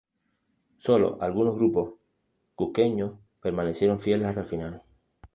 Solo algunos grupos cuzqueños permanecieron fieles hasta el final.